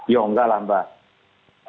ya enggak lah mbak